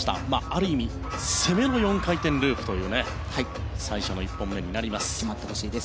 ある意味攻めの４回転ループという最初の１本目になります。